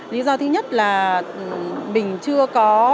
lý do thứ nhất là mình chưa có